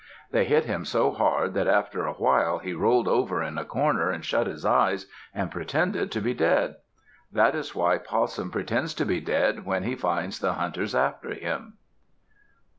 They hit him so hard that after a while he rolled over in a corner and shut his eyes and pretended to be dead. That is why Possum pretends to be dead when he finds the hunters after him.